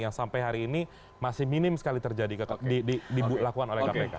yang sampai hari ini masih minim sekali terjadi dilakukan oleh kpk